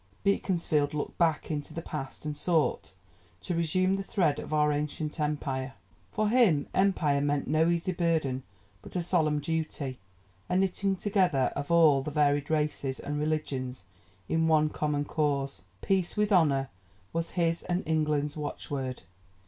Beaconsfield looked back into the past and sought to "resume the thread of our ancient empire." For him empire meant no easy burden but a solemn duty, a knitting together of all the varied races and religions in one common cause. "Peace with honour" was his and England's watchword.